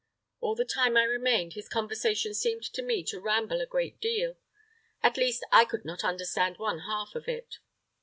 All the time I remained, his conversation seemed to me to ramble a great deal, at least I could not understand one half of it.